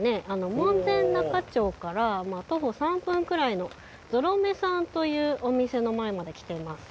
門前仲町から徒歩３分くらいの沿露目さんというお店の前まで来ています。